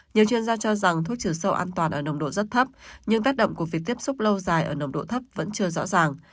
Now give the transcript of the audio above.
nhiều chuyên gia cho rằng thuốc trừ sâu an toàn ở nồng độ rất thấp nhưng tác động của việc tiếp xúc lâu dài ở nồng độ thấp vẫn chưa rõ ràng